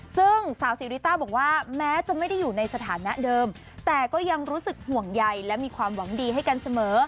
ซึ่งสาวซีริต้าบอกว่าแม้จะไม่ได้อยู่ในสถานะเดิมแต่ก็ยังรู้สึกห่วงใยและมีความหวังดีให้กันเสมอ